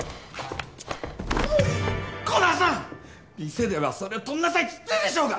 店ではそれ取りなさいって言ってるでしょうが！